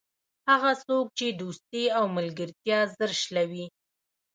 هغه څوک چې دوستي او ملګرتیا ژر شلوي.